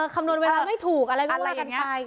คำนวณเวลาไม่ถูกอะไรก็ว่ากันไป